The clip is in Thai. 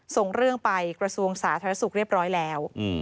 ส่งเรื่องไปกระทรวงสาธารณสุขเรียบร้อยแล้ว